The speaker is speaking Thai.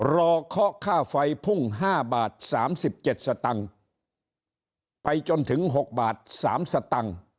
เคาะค่าไฟพุ่ง๕บาท๓๗สตังค์ไปจนถึง๖บาท๓สตังค์